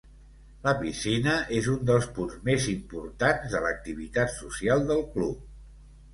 La piscina és un dels punts més importants de l'activitat social del club.